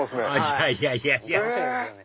いやいやいやいや！